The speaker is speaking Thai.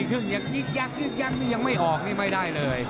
มีเครื่องยังอีกยังอีกยังยังไม่ออกนี่ไม่ได้เลย